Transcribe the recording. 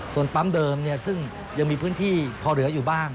ส่วนปั๊มเดิมซึ่งยังมีพื้นที่พอเหลืออยู่บ้าง